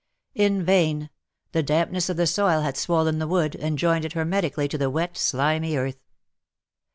In vain; the dampness of the soil had swollen the wood, and joined it hermetically to the wet, slimy earth.